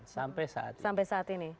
sampai saat ini